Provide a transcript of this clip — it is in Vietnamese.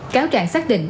cáo trạng xác định